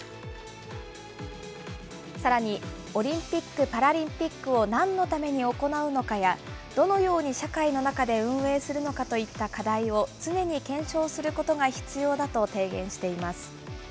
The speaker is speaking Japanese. さらに、オリンピック・パラリンピックをなんのために行うのかや、どのように社会の中で運営するのかといった課題を常に検証することが必要だと提言しています。